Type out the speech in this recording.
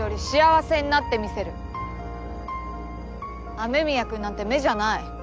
雨宮くんなんて目じゃない。